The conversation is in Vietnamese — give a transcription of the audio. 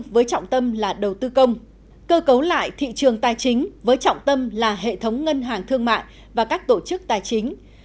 với trọng tâm là đầu tư công cơ cấu lại thị trường tài chính với trọng tâm là hệ thống ngân hàng thương mại và các tổ chức tài chính